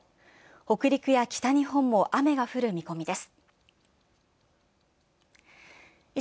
北陸や北日本も雨が降る見込みです。